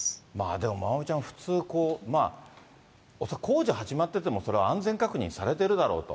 でも、まおみちゃん、普通、工事始まってても、安全確認されてるだろうと。